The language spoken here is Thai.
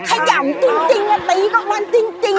ขยับจริงนี่ก็มันจริง